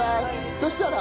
そしたら？